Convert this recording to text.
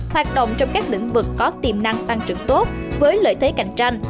hoạt động trong các lĩnh vực có tiềm năng tăng trưởng tốt với lợi thế cạnh tranh